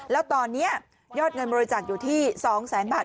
แล้วตอนนี้ยอดเงินบริจาคอยู่ที่๒แสนบาท